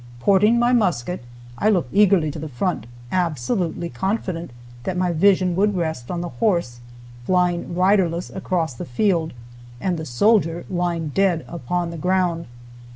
Porting my musket, I looked eagerly to the front, absolutely confident that my vision would rest on the horse flying riderless across the field, and the soldier lying dead upon the ground.